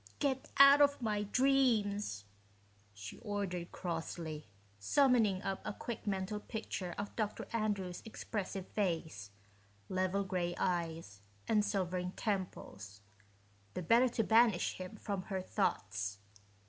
"Get out of my dreams," she ordered crossly, summoning up a quick mental picture of Dr. Andrews' expressive face, level gray eyes, and silvering temples, the better to banish him from her thoughts.